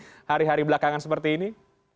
jadi hari hari belakangan seperti ini